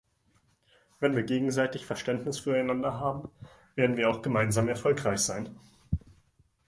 Wenn wir gegenseitig Verständnis füreinander haben, werden wir auch gemeinsam erfolgreich sein.